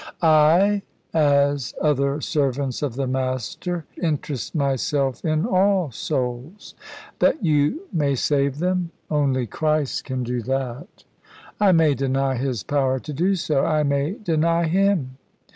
"I, as other servants of the Master, interest myself in all souls." "That you may save them?" "Only Christ can do that." "I may deny His power to do so I may deny Him."